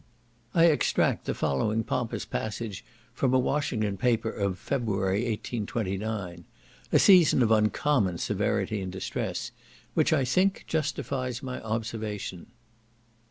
I extract the following pompous passage from a Washington paper of Feb. 1829, (a season of uncommon severity and distress,) which, I think, justifies my observation.